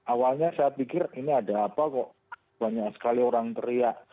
awalnya saya pikir ini ada apa kok banyak sekali orang teriak